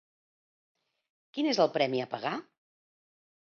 Quin és el premi a pagar?